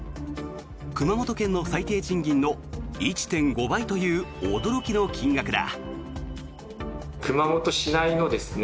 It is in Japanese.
熊本県の最低賃金の１．５倍という驚きの金額だ。